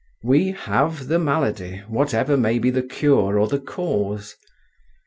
We have the malady, whatever may be the cure or the cause.